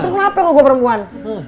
itu kenapa kalo gua perempuan